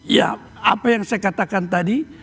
ya apa yang saya katakan tadi